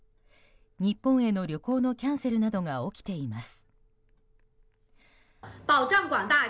日本への旅行のキャンセルなどが起きています。